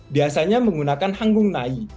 biasanya menggunakan hanggung nai